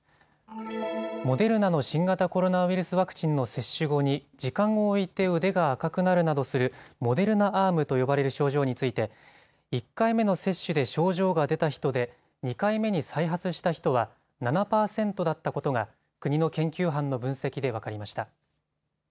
モデルナの新型コロナウイルスワクチンの接種後に時間を置いて腕が赤くなるなどするモデルナ・アームと呼ばれる症状について１回目の接種で症状が出た人で２回目に再発した人は７％だったことが国の研究班の分析で分かりました。